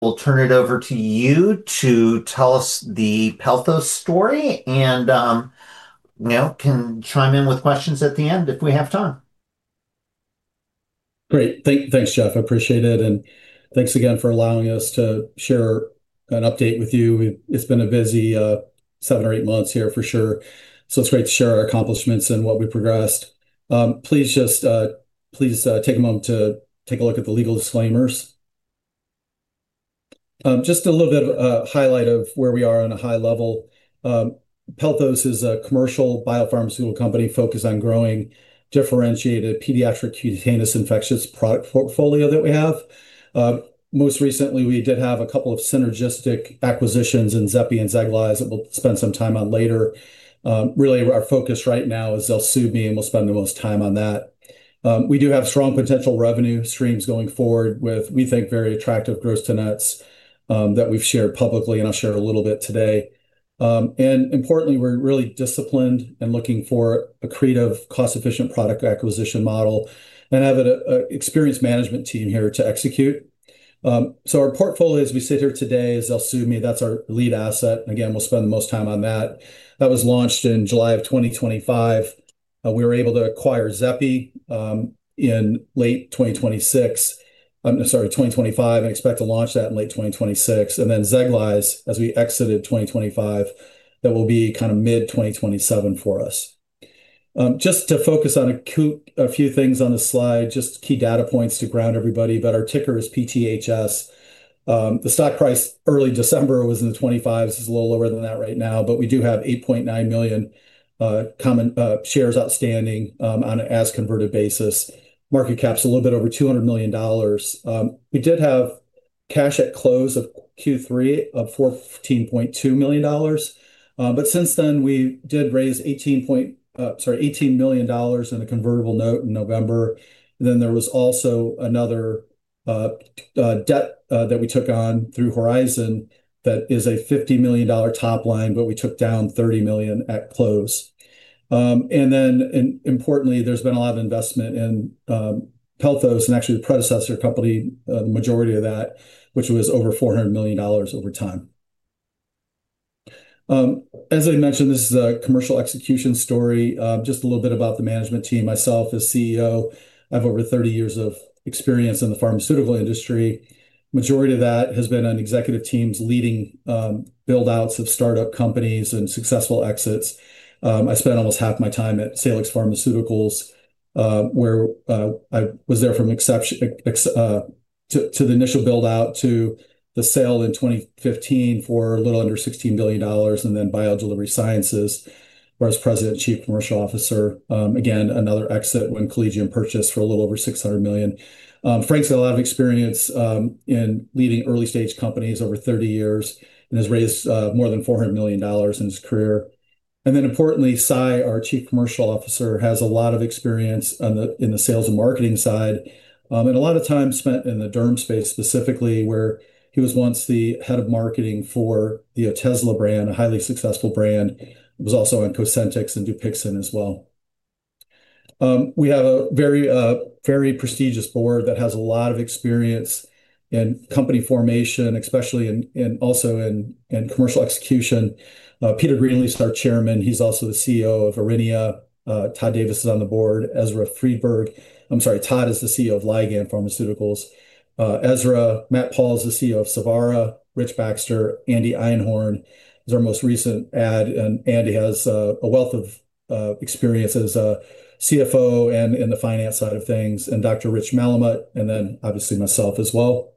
We'll turn it over to you to tell us the Pelthos story, and, you know, can chime in with questions at the end if we have time. Great. Thanks, Jeff, I appreciate it, thanks again for allowing us to share an update with you. It's been a busy 7 or 8 months here, for sure. It's great to share our accomplishments and what we progressed. Please just take a moment to take a look at the legal disclaimers. Just a little bit of highlight of where we are on a high level. Pelthos is a commercial biopharmaceutical company focused on growing differentiated pediatric cutaneous infectious product portfolio that we have. Most recently, we did have a couple of synergistic acquisitions in Xepi and Xeglyze, that we'll spend some time on later. Really, our focus right now is ZELSUVMI, and we'll spend the most time on that. We do have strong potential revenue streams going forward with, we think, very attractive gross-to-nets that we've shared publicly, and I'll share a little bit today. Importantly, we're really disciplined and looking for a creative, cost-efficient product acquisition model and have an experienced management team here to execute. Our portfolio, as we sit here today, is ZELSUVMI. That's our lead asset, and again, we'll spend the most time on that. That was launched in July of 2025. We were able to acquire Xepi in late 2026, sorry, 2025, and expect to launch that in late 2026. Xeglyze, as we exited 2025, that will be kinda mid-2027 for us. Just to focus on a few things on the slide, just key data points to ground everybody, our ticker is PTHS. The stock price early December was in the 25s. It's a little lower than that right now, we do have 8.9 million common shares outstanding on a as converted basis. Market cap's a little bit over $200 million. We did have cash at close of Q3 of $14.2 million, since then, we did raise $18 million in a convertible note in November. There was also another debt that we took on through Horizon that is a $50 million top line, we took down $30 million at close. Importantly, there's been a lot of investment in Pelthos, and actually the predecessor company, the majority of that, which was over $400 million over time. As I mentioned, this is a commercial execution story. Just a little bit about the management team. Myself as CEO, I have over 30 years of experience in the pharmaceutical industry. Majority of that has been on executive teams leading build-outs of start-up companies and successful exits. I spent almost half my time at Salix Pharmaceuticals, where I was there from the initial build-out to the sale in 2015 for a little under $16 billion, and then BioDelivery Sciences, where as President and Chief Commercial Officer, again, another exit when Collegium purchased for a little over $600 million. Frank's got a lot of experience in leading early-stage companies over 30 years and has raised more than $400 million in his career. Importantly, Sai, our Chief Commercial Officer, has a lot of experience in the sales and marketing side, and a lot of time spent in the derm space, specifically, where he was once the head of marketing for the Otezla brand, a highly successful brand. He was also on COSENTYX and DUPIXENT as well. We have a very prestigious board that has a lot of experience in company formation, especially in commercial execution. Peter Greenleaf is our Chairman. He's also the CEO of Aurinia. Todd Davis is on the board. Ezra Friedberg. I'm sorry, Todd is the CEO of Ligand Pharmaceuticals. Ezra, Matt Pauls is the CEO of Savara. Rich Baxter, Andy Einhorn is our most recent add, and Andy has a wealth of experience as a CFO and in the finance side of things, and Dr. Rich Melamed, and then obviously myself as well.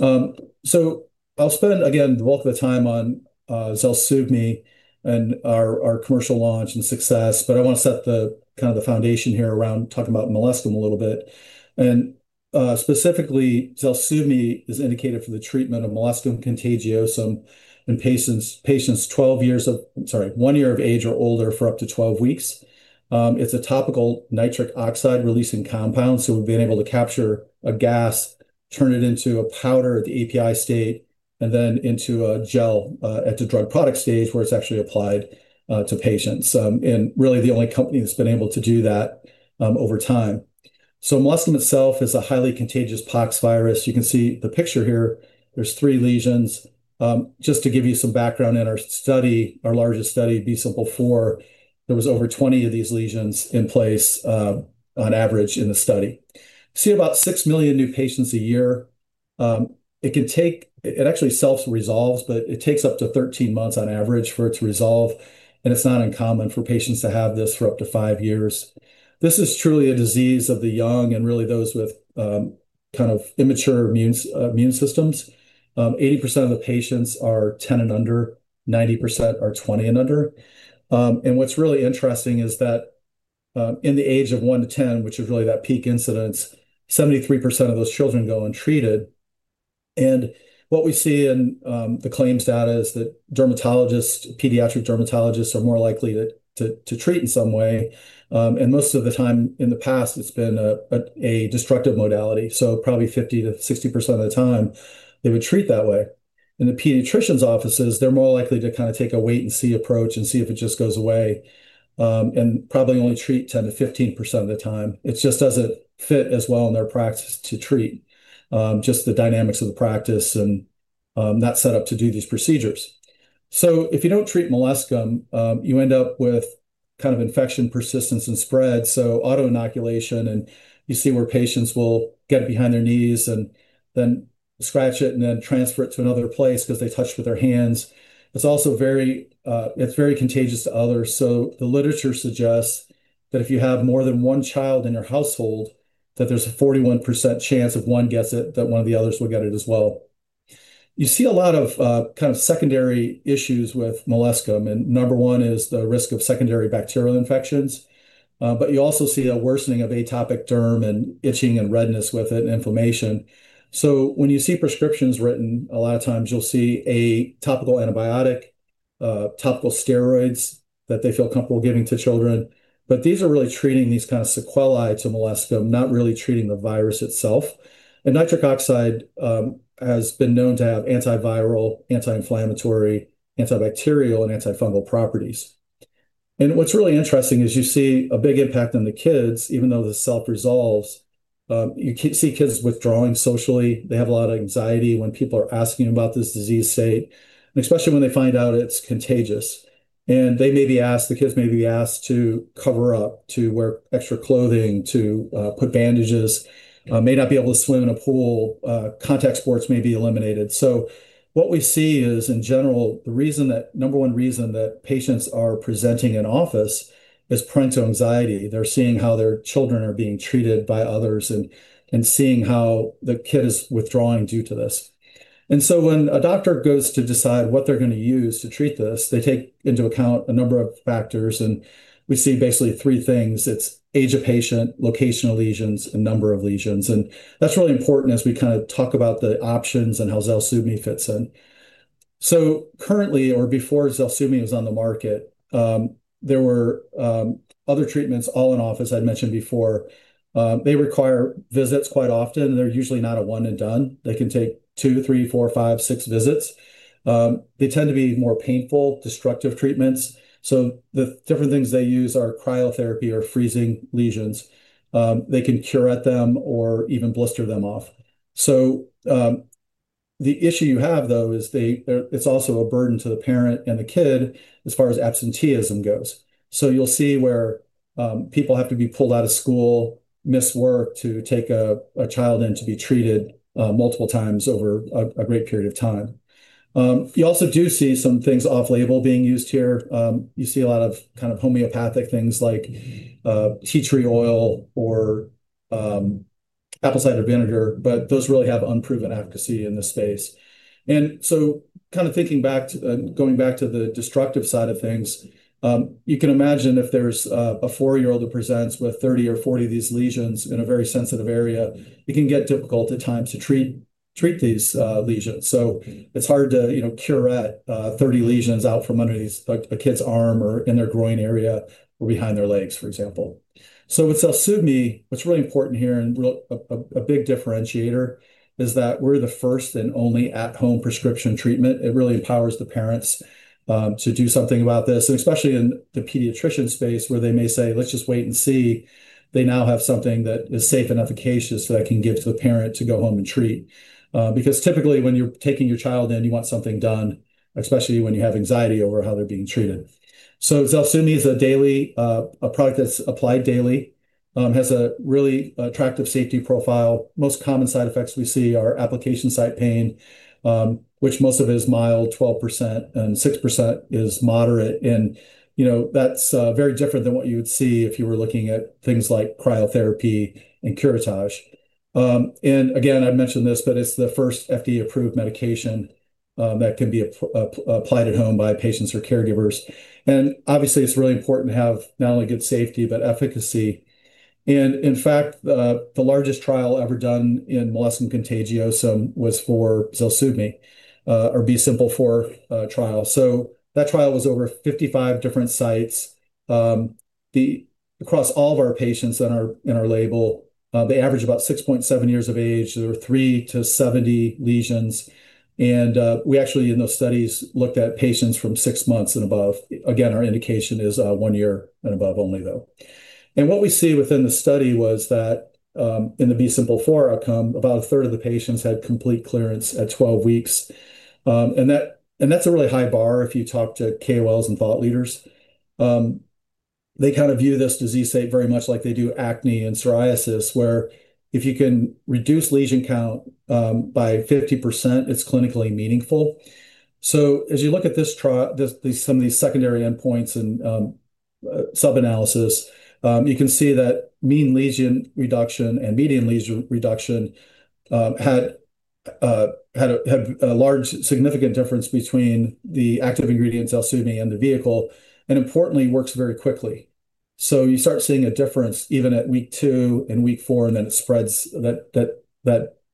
I'll spend, again, the bulk of the time on ZELSUVMI and our commercial launch and success, but I wanna set the kind of the foundation here around talking about molluscum a little bit. Specifically, ZELSUVMI is indicated for the treatment of molluscum contagiosum in patients 12 years of... sorry, one year of age or older for up to 12 weeks. It's a topical nitric oxide-releasing compound. We've been able to capture a gas, turn it into a powder at the API state, and then into a gel at the drug product stage, where it's actually applied to patients. Really the only company that's been able to do that over time. Molluscum itself is a highly contagious poxvirus. You can see the picture here. There's three lesions. Just to give you some background, in our study, our largest study, B-SIMPLE4, there was over 20 of these lesions in place on average in the study. See about 6 million new patients a year. It actually self-resolves, but it takes up to 13 months on average for it to resolve, and it's not uncommon for patients to have this for up to 5 years. This is truly a disease of the young and really those with, kind of immature immune systems. 80% of the patients are 10 and under, 90% are 20 and under. What's really interesting is that, in the age of one to 10, which is really that peak incidence, 73% of those children go untreated. What we see in the claims data is that dermatologists, pediatric dermatologists are more likely to treat in some way. Most of the time in the past, it's been a destructive modality, so probably 50%-60% of the time, they would treat that way... in the pediatrician's offices, they're more likely to kinda take a wait and see approach and see if it just goes away, and probably only treat 10%-15% of the time. It just doesn't fit as well in their practice to treat, just the dynamics of the practice and, not set up to do these procedures. If you don't treat molluscum, you end up with kind of infection, persistence, and spread, so autoinoculation, and you see where patients will get it behind their knees and then scratch it, and then transfer it to another place 'cause they touched with their hands. It's also very contagious to others. The literature suggests that if you have more than one child in your household, that there's a 41% chance if one gets it, that one of the others will get it as well. You see a lot of kind of secondary issues with molluscum, and number one is the risk of secondary bacterial infections. You also see a worsening of atopic derm, and itching, and redness with it, and inflammation. When you see prescriptions written, a lot of times you'll see a topical antibiotic, topical steroids that they feel comfortable giving to children, but these are really treating these kinda sequelae to molluscum, not really treating the virus itself. Nitric oxide has been known to have antiviral, anti-inflammatory, antibacterial, and antifungal properties. What's really interesting is you see a big impact on the kids, even though this self-resolves. See kids withdrawing socially. They have a lot of anxiety when people are asking about this disease state, and especially when they find out it's contagious. They may be asked, the kids may be asked to cover up, to wear extra clothing, to put bandages, may not be able to swim in a pool, contact sports may be eliminated. What we see is, in general, the number one reason that patients are presenting in office is parental anxiety. They're seeing how their children are being treated by others and seeing how the kid is withdrawing due to this. When a doctor goes to decide what they're gonna use to treat this, they take into account a number of factors, and we see basically three things. It's age of patient, location of lesions, and number of lesions, and that's really important as we kinda talk about the options and how ZELSUVMI fits in. Currently, or before ZELSUVMI was on the market, there were other treatments, all in office, I'd mentioned before. They require visits quite often. They're usually not a one and done. They can take two, three, four, five, six visits. They tend to be more painful, destructive treatments, so the different things they use are cryotherapy or freezing lesions. They can curette them or even blister them off. The issue you have, though, is it's also a burden to the parent and the kid as far as absenteeism goes. You'll see where people have to be pulled out of school, miss work, to take a child in to be treated multiple times over a great period of time. You also do see some things off-label being used here. You see a lot of kind of homeopathic things like tea tree oil or apple cider vinegar, but those really have unproven efficacy in this space. Kind of thinking back to, and going back to the destructive side of things, you can imagine if there's a 4-year-old who presents with 30 or 40 of these lesions in a very sensitive area, it can get difficult at times to treat these lesions. It's hard to, you know, curette 30 lesions out from under these, like, a kid's arm, or in their groin area, or behind their legs, for example. With ZELSUVMI, what's really important here and a big differentiator is that we're the first and only at-home prescription treatment. It really empowers the parents to do something about this, and especially in the pediatrician space, where they may say, "Let's just wait and see." They now have something that is safe and efficacious that I can give to the parent to go home and treat. Because typically when you're taking your child in, you want something done, especially when you have anxiety over how they're being treated. ZELSUVMI is a daily, a product that's applied daily, has a really attractive safety profile. Most common side effects we see are application site pain, which most of it is mild, 12%, and 6% is moderate. You know, that's very different than what you would see if you were looking at things like cryotherapy and curettage. Again, I've mentioned this, it's the first FDA-approved medication that can be applied at home by patients or caregivers. Obviously, it's really important to have not only good safety, but efficacy. In fact, the largest trial ever done in molluscum contagiosum was for ZELSUVMI, or B-SIMPLE4 trial. That trial was over 55 different sites. Across all of our patients in our label, they average about 6.7 years of age. There were 3-70 lesions. We actually, in those studies, looked at patients from 6 months and above. Again, our indication is one year and above only, though. What we see within the study was that in the B-SIMPLE4 outcome, about a third of the patients had complete clearance at 12 weeks. That's a really high bar if you talk to KOLs and thought leaders. They kind of view this disease state very much like they do acne and psoriasis, where if you can reduce lesion count by 50%, it's clinically meaningful. As you look at these, some of these secondary endpoints and subanalysis, you can see that mean lesion reduction and median lesion reduction had a large significant difference between the active ingredient ZELSUVMI and the vehicle, and importantly, works very quickly. You start seeing a difference even at week two and week four, and then it spreads that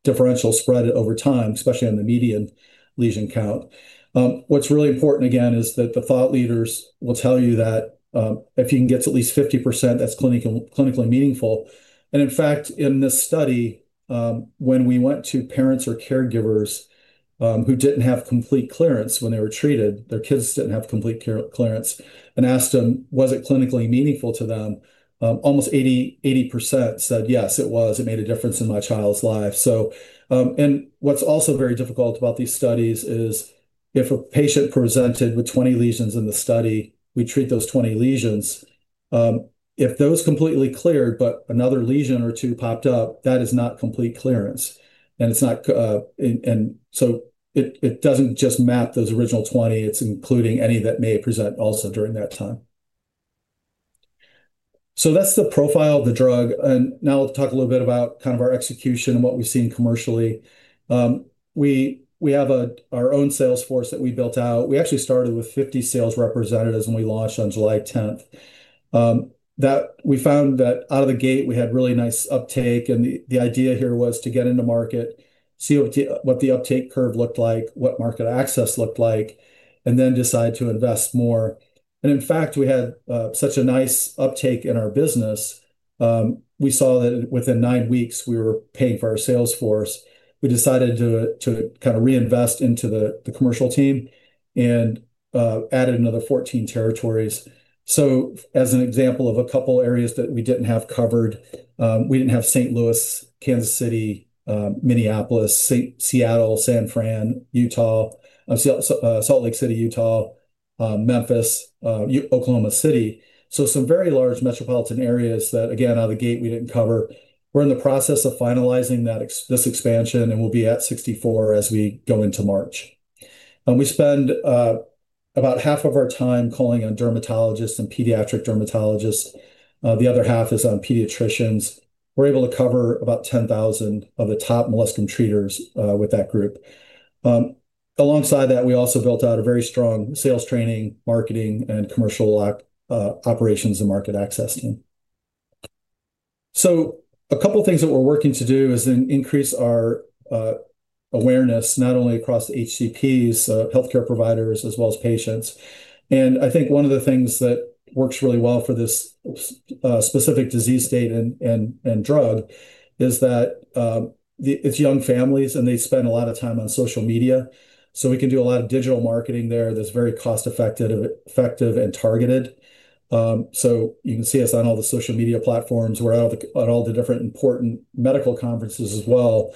differential spread over time, especially on the median lesion count. What's really important again, is that the thought leaders will tell you that if you can get to at least 50%, that's clinically meaningful. In fact, in this study, when we went to parents or caregivers, who didn't have complete clearance when they were treated, their kids didn't have complete clearance, and asked them, was it clinically meaningful to them? Almost 80% said, "Yes, it was. It made a difference in my child's life." And what's also very difficult about these studies is, if a patient presented with 20 lesions in the study, we treat those 20 lesions. If those completely cleared, but another lesion or two popped up, that is not complete clearance, and so it doesn't just map those original 20, it's including any that may present also during that time. That's the profile of the drug, and now let's talk a little bit about kind of our execution and what we've seen commercially. We have our own sales force that we built out. We actually started with 50 sales representatives, and we launched on July 10th. We found that out of the gate, we had really nice uptake, and the idea here was to get into market, see what the uptake curve looked like, what market access looked like, and then decide to invest more. In fact, we had such a nice uptake in our business, we saw that within nine weeks, we were paying for our sales force. We decided to kind of reinvest into the commercial team and added another 14 territories. As an example of a couple areas that we didn't have covered, we didn't have St. Louis, Kansas City, Minneapolis, Seattle, San Fran, Utah, Salt Lake City, Utah, Memphis, Oklahoma City. Some very large metropolitan areas that, again, out of the gate, we didn't cover. We're in the process of finalizing this expansion. We'll be at 64 as we go into March. We spend about half of our time calling on dermatologists and pediatric dermatologists. The other half is on pediatricians. We're able to cover about 10,000 of the top molluscum treaters with that group. Alongside that, we also built out a very strong sales training, marketing, and commercial operations and market access team. A couple of things that we're working to do is increase our awareness, not only across HCPs, healthcare providers, as well as patients. I think one of the things that works really well for this specific disease state and drug is that it's young families, they spend a lot of time on social media. We can do a lot of digital marketing there that's very cost effective and targeted. You can see us on all the social media platforms. We're out at all the different important medical conferences as well.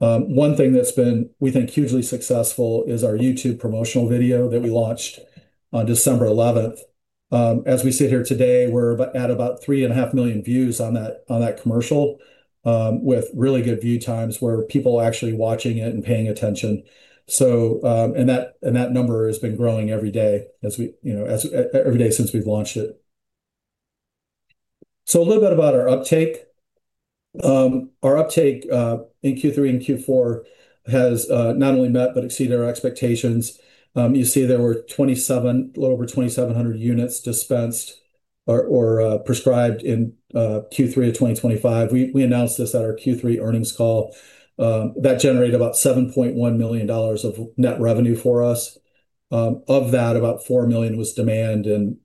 One thing that's been, we think, hugely successful is our YouTube promotional video that we launched on December 11th. As we sit here today, we're about at about $3.5 million views on that commercial, with really good view times where people are actually watching it and paying attention. And that number has been growing every day as we, you know, every day since we've launched it. A little bit about our uptake. Our uptake in Q3 and Q4 has not only met but exceeded our expectations. You see there were 27, a little over 2,700 units dispensed or prescribed in Q3 of 2025. We announced this at our Q3 earnings call. That generated about $7.1 million of net revenue for us. Of that, about $4 million was demand, and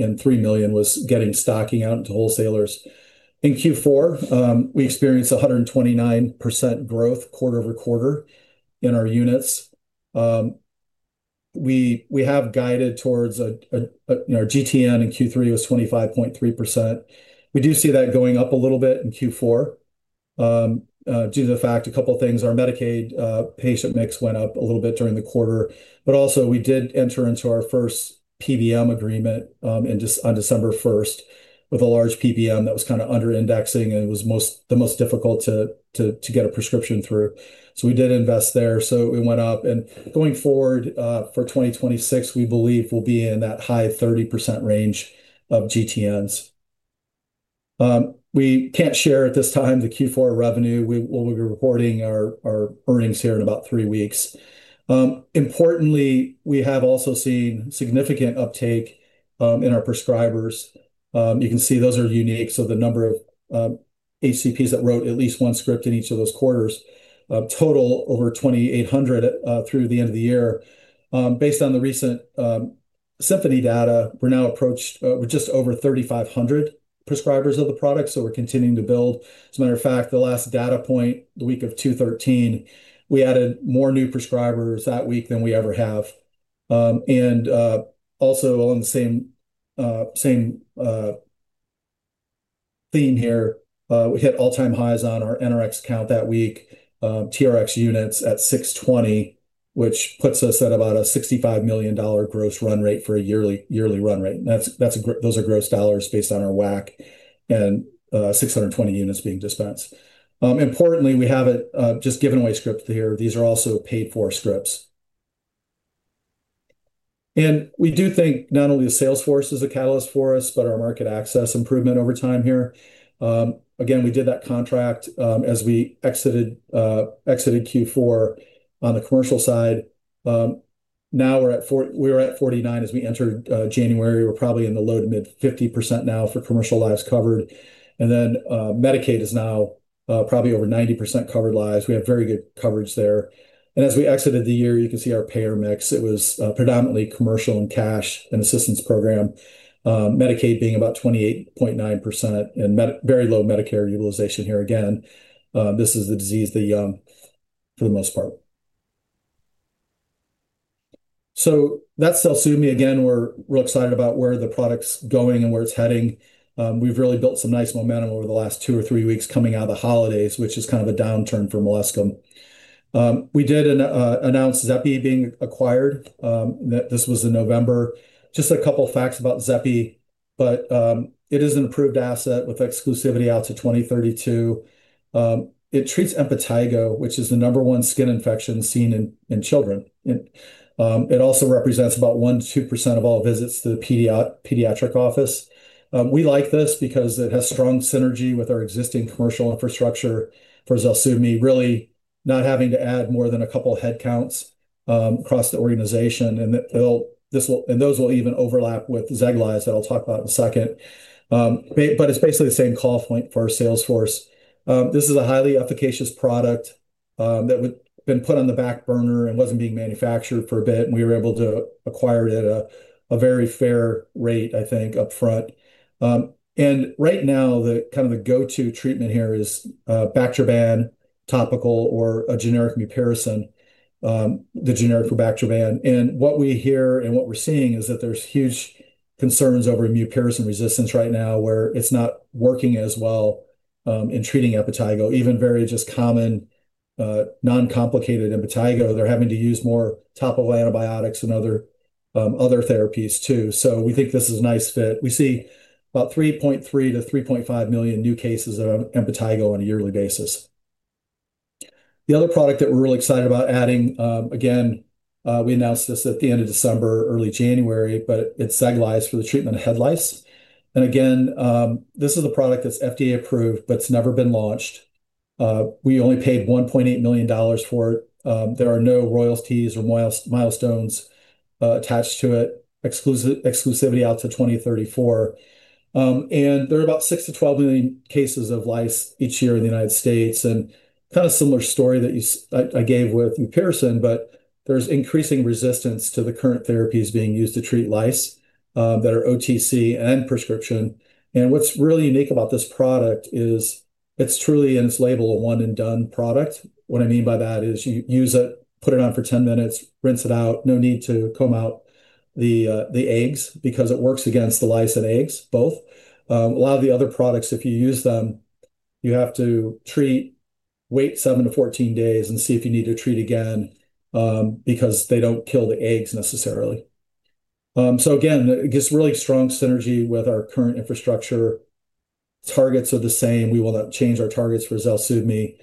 $3 million was getting stocking out into wholesalers. In Q4, we experienced 129% growth quarter-over-quarter in our units. We have guided towards our GTN in Q3 was 25.3%. We do see that going up a little bit in Q4, due to the fact, a couple of things, our Medicaid patient mix went up a little bit during the quarter, also we did enter into our first PBM agreement in just on December 1st, with a large PBM that was kinda under indexing, and it was the most difficult to get a prescription through. We did invest there, so it went up. Going forward, for 2026, we believe we'll be in that high 30% range of GTNs. We can't share at this time the Q4 revenue. Well, we'll be reporting our earnings here in about three weeks. Importantly, we have also seen significant uptake in our prescribers. You can see those are unique, so the number of HCPs that wrote at least one script in each of those quarters, total over 2,800 through the end of the year. Based on the recent Symphony data, we're now approached with just over 3,500 prescribers of the product, so we're continuing to build. As a matter of fact, the last data point, the week of 2/13, we added more new prescribers that week than we ever have. Also on the same theme here, we hit all-time highs on our NRx count that week, TRX units at 620, which puts us at about a $65 million gross run rate for a yearly run rate. Those are gross dollars based on our WAC and 620 units being dispensed. Importantly, we haven't just given away script here. These are also paid-for scripts. We do think not only the sales force is a catalyst for us, but our market access improvement over time here. Again, we did that contract as we exited Q4 on the commercial side, we were at 49 as we entered January. We're probably in the low to mid 50% now for commercial lives covered. Medicaid is now probably over 90% covered lives. We have very good coverage there. As we exited the year, you can see our payer mix. It was predominantly commercial and cash and assistance program, Medicaid being about 28.9%, very low Medicare utilization here. Again, this is the disease, the young, for the most part. That's ZELSUVMI. Again, we're real excited about where the product's going and where it's heading. We've really built some nice momentum over the last two or three weeks coming out of the holidays, which is kind of a downturn for molluscum. We did an announce Xepi being acquired, this was in November. Just a couple facts about Xepi, but it is an approved asset with exclusivity out to 2032. It treats impetigo, which is the number one skin infection seen in children. It also represents about 1%-2% of all visits to the pediatric office. We like this because it has strong synergy with our existing commercial infrastructure for ZELSUVMI, really not having to add more than a couple headcounts across the organization, and those will even overlap with Xeglyze, that I'll talk about in a second. But it's basically the same call point for our sales force. This is a highly efficacious product that would been put on the back burner and wasn't being manufactured for a bit, and we were able to acquire it at a very fair rate, I think, upfront. And right now, the kind of the go-to treatment here is Bactroban topical or a generic mupirocin, the generic for Bactroban. What we hear and what we're seeing is that there's huge concerns over mupirocin resistance right now, where it's not working as well, in treating impetigo, even very just common, non-complicated impetigo. They're having to use more topical antibiotics and other therapies too, so we think this is a nice fit. We see about 3.3 million-3.5 million new cases of impetigo on a yearly basis. The other product that we're really excited about adding, again, we announced this at the end of December, early January, but it's Xeglyze for the treatment of head lice. Again, this is a product that's FDA-approved, but it's never been launched. We only paid $1.8 million for it. There are no royalties or milestones attached to it. Exclusivity out to 2034. There are about 6 million-12 million cases of lice each year in the United States, and kind of similar story that I gave with mupirocin, but there's increasing resistance to the current therapies being used to treat lice that are OTC and prescription. What's really unique about this product is it's truly, in its label, a one-and-done product. What I mean by that is you use it, put it on for 10 minutes, rinse it out, no need to comb out the eggs, because it works against the lice and eggs, both. A lot of the other products, if you use them, you have to treat, wait 7-14 days and see if you need to treat again, because they don't kill the eggs necessarily. Again, it gives really strong synergy with our current infrastructure. Targets are the same. We will not change our targets for ZELSUVMI.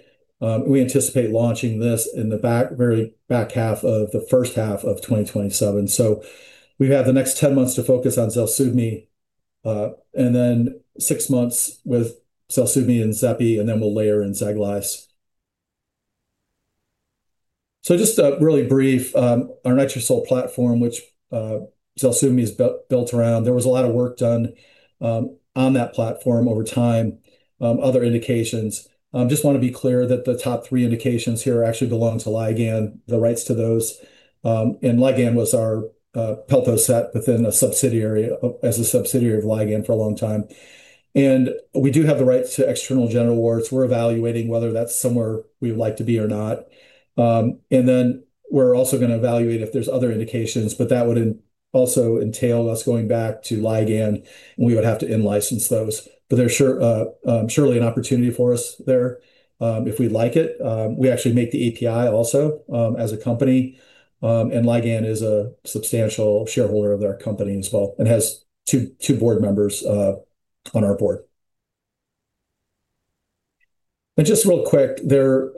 We anticipate launching this in the back, very back half of the first half of 2027. We have the next 10 months to focus on ZELSUVMI, and then 6 months with ZELSUVMI and Xepi, and then we'll layer in Xeglyze. Just a really brief, our NITRICIL platform, which ZELSUVMI is built around, there was a lot of work done on that platform over time, other indications. Just want to be clear that the top 3 indications here actually belong to Ligand, the rights to those. Ligand was our Pelthos within a subsidiary, as a subsidiary of Ligand for a long time. We do have the rights to external genital warts. We're evaluating whether that's somewhere we would like to be or not. Then we're also gonna evaluate if there's other indications, but that would also entail us going back to Ligand, and we would have to in-license those. There's surely an opportunity for us there, if we like it. We actually make the API also as a company, and Ligand is a substantial shareholder of their company as well, and has two board members on our board. Just real quick, their,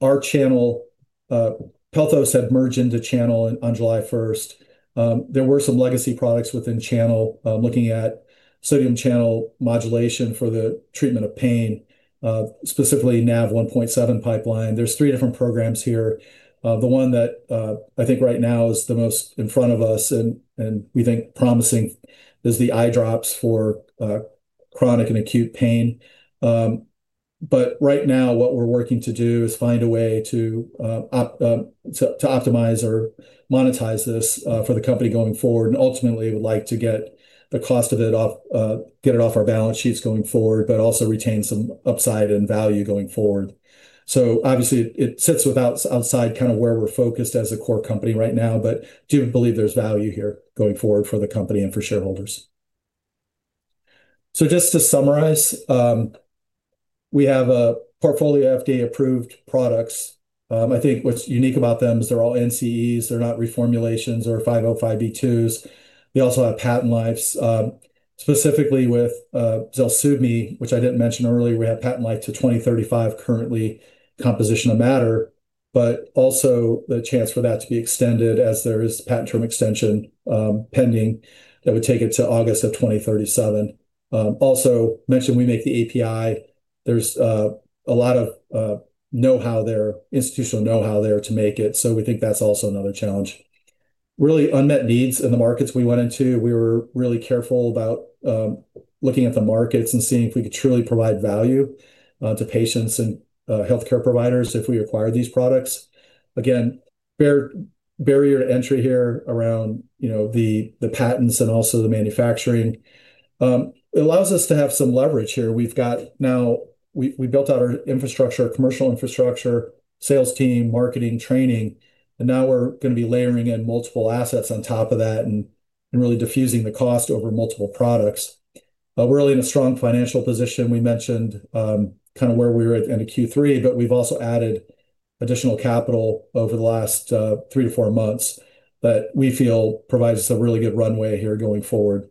our Channel, Pelthos had merged into Channel on July first. There were some legacy products within Channel, looking at sodium channel modulation for the treatment of pain, specifically Nav1.7 pipeline. There's three different programs here. The one that I think right now is the most in front of us, and we think promising, is the eye drops for chronic and acute pain. But right now, what we're working to do is find a way to optimize or monetize this for the company going forward, and ultimately would like to get the cost of it off, get it off our balance sheets going forward, but also retain some upside and value going forward. Obviously, it sits outside kind of where we're focused as a core company right now, but do believe there's value here going forward for the company and for shareholders. Just to summarize, we have a portfolio of FDA-approved products. I think what's unique about them is they're all NCEs. They're not reformulations or 505(b)(2)s. We also have patent lives, specifically with ZELSUVMI, which I didn't mention earlier. We have patent life to 2035, currently composition of matter, but also the chance for that to be extended as there is patent term extension pending, that would take it to August of 2037. Also mentioned we make the API. There's a lot of know-how there, institutional know-how there to make it, so we think that's also another challenge. Really unmet needs in the markets we went into, we were really careful about looking at the markets and seeing if we could truly provide value to patients and healthcare providers if we acquire these products. Again, barrier to entry here around, you know, the patents and also the manufacturing. It allows us to have some leverage here. We've got now we built out our infrastructure, commercial infrastructure, sales team, marketing, training, and now we're gonna be layering in multiple assets on top of that and really diffusing the cost over multiple products. We're really in a strong financial position. We mentioned, kind of where we were at end of Q3. We've also added additional capital over the last 3-4 months that we feel provides us a really good runway here going forward.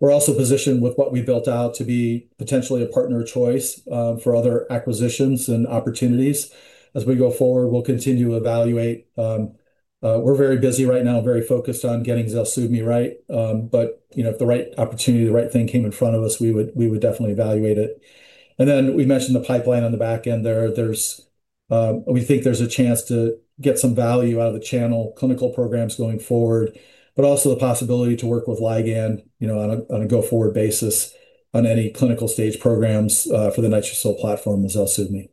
We're also positioned with what we built out to be potentially a partner of choice for other acquisitions and opportunities. As we go forward, we'll continue to evaluate. We're very busy right now, very focused on getting ZELSUVMI right. You know, if the right opportunity, the right thing came in front of us, we would definitely evaluate it. We mentioned the pipeline on the back end there. There's We think there's a chance to get some value out of the Channel clinical programs going forward, but also the possibility to work with Ligand, you know, on a go-forward basis on any clinical stage programs for the NITRICIL platform, the ZELSUVMI.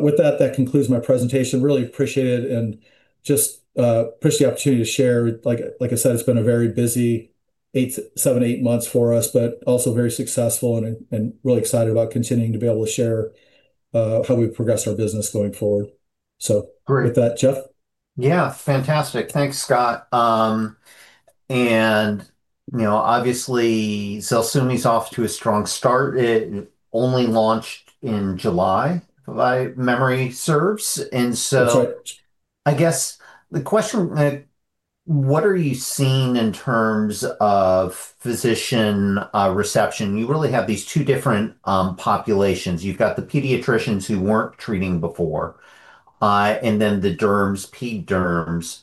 With that concludes my presentation. Really appreciate it, and just appreciate the opportunity to share. Like I said, it's been a very busy eight, seven, eight months for us, but also very successful, and really excited about continuing to be able to share how we progress our business going forward. Great. With that, Jeff? Yeah, fantastic. Thanks, Scott. You know, obviously, ZELSUVMI's off to a strong start. It only launched in July, if my memory serves. That's right. I guess the question, what are you seeing in terms of physician reception? You really have these two different populations. You've got the pediatricians who weren't treating before, and then the derms, pederms,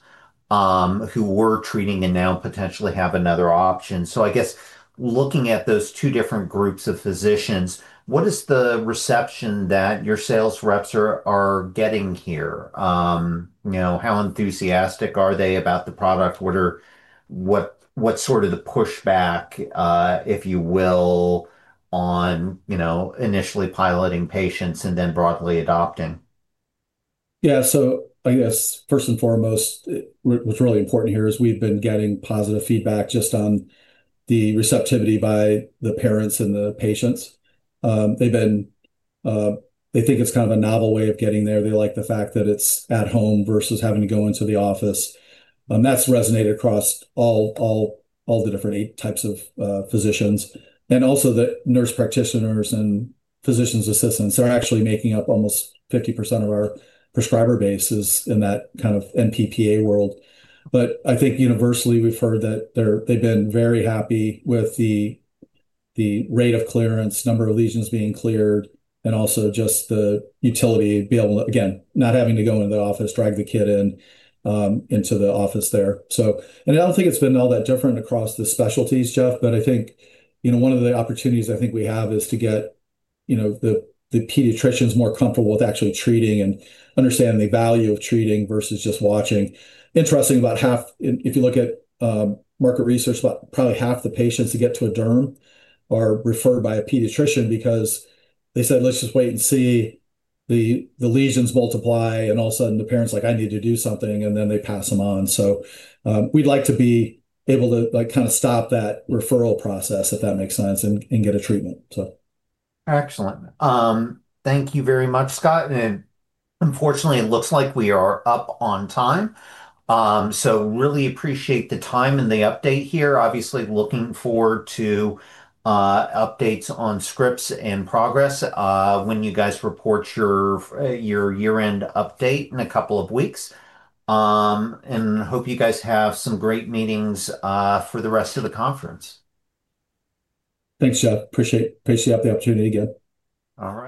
who were treating and now potentially have another option. I guess looking at those two different groups of physicians, what is the reception that your sales reps are getting here? You know, how enthusiastic are they about the product? What's sort of the pushback, if you will, on, you know, initially piloting patients and then broadly adopting? I guess first and foremost, what's really important here is we've been getting positive feedback just on the receptivity by the parents and the patients. They think it's kind of a novel way of getting there. They like the fact that it's at home versus having to go into the office, that's resonated across all the different eight types of physicians. Also, the nurse practitioners and physicians assistants are actually making up almost 50% of our prescriber bases in that kind of NPPA world. I think universally, we've heard that they've been very happy with the rate of clearance, number of lesions being cleared, and also just the utility, be able to, again, not having to go into the office, drag the kid in, into the office there. I don't think it's been all that different across the specialties, Jeff, but I think, you know, one of the opportunities I think we have is to get, you know, the pediatricians more comfortable with actually treating and understanding the value of treating versus just watching. Interesting, about probably half the patients who get to a derm are referred by a pediatrician because they said, "Let's just wait and see." The lesions multiply, and all of a sudden, the parent's like: I need to do something, and then they pass them on. We'd like to be able to, like, kind of stop that referral process, if that makes sense, and get a treatment. Excellent. Thank you very much, Scott. Unfortunately, it looks like we are up on time. Really appreciate the time and the update here. Obviously, looking forward to updates on scripts and progress when you guys report your year-end update in a couple of weeks. Hope you guys have some great meetings for the rest of the conference. Thanks, Jeff. Appreciate the opportunity again. All right.